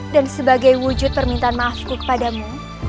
dan sebagai wujud permintaan maafku kepadamu